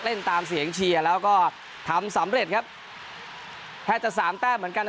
ตามเสียงเชียร์แล้วก็ทำสำเร็จครับแทบจะสามแต้มเหมือนกันนะ